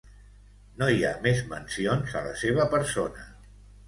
No hi ha més mencions a la seva persona.